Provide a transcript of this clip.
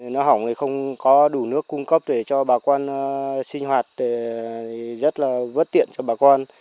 nó hỏng thì không có đủ nước cung cấp để cho bà quan sinh hoạt rất là vớt tiện cho bà quan